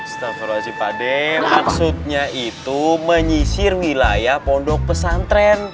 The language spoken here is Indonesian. setelah perawasan pak dem maksudnya itu menyisir wilayah pondok pesantren